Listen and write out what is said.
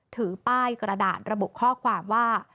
ถือป้ายกระดาษระบุข้อความว่า